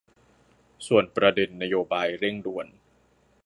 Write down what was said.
ส่วนประเด็นนโยบายเร่งด่วน